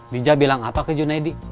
bija bilang apa ke junaidi